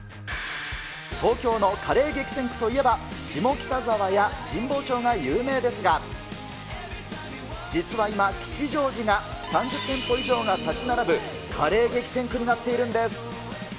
東京のカレー激戦区といえば、下北沢や神保町が有名ですが、実は今、吉祥寺が３０店舗以上が建ち並ぶカレー激戦区になっているんです。